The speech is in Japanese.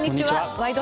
「ワイド！